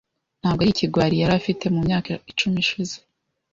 Ntabwo ari ikigwari yari afite mu myaka icumi ishize .